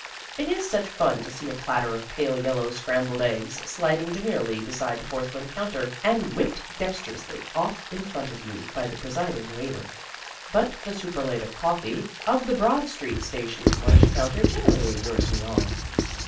It is such fun to see a platter of pale yellow scrambled eggs sliding demurely beside the porcelain counter and whipped dextrously off in front of you by the presiding waiter. But the superlative coffee of the Broad Street Station lunch counter generally lures me on.